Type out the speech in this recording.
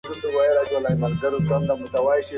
قدر یې وکړئ.